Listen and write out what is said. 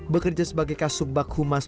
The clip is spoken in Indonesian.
bekerja sebagai kasub bak humas